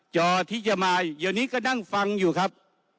จอที่จะมาเดี๋ยวนี้ก็นั่งฟังอยู่ครับ